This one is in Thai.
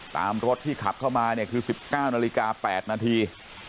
รถที่ขับเข้ามาเนี่ยคือ๑๙นาฬิกา๘นาที